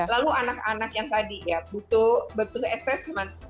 lalu anak anak yang tadi ya butuh assessment